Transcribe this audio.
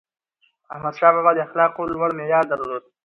احمدشاه بابا د اخلاقو لوړ معیار درلود.